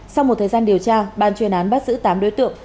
sau một thời gian điều tra ban chuyên án bắt giữ tám đối tượng